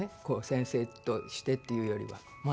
先生としてっていうよりは。